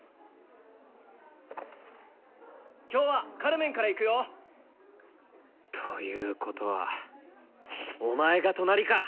今日は「カルメン」からいくよ。ということはお前が隣か！